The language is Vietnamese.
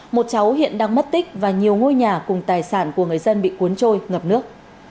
một cháu hiện đang mất tích và nhiều ngôi nhà cùng tài sản của người dân bị cuốn trôi ngập nước